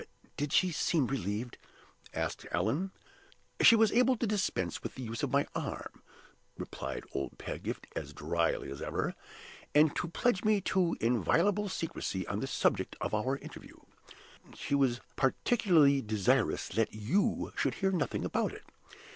"Did she seem relieved?" asked Allan. "She was able to dispense with the use of my arm, sir," replied old Pedgift, as dryly as ever, "and to pledge me to inviolable secrecy on the subject of our interview. She was particularly desirous that you should hear nothing about it.